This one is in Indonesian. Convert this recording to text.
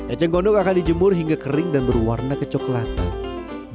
eceng gondok akan dijemur hingga kering dan berwarna kecoklatan